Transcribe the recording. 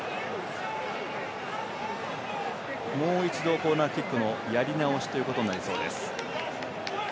もう一度コーナーキックのやり直しということになりそうです。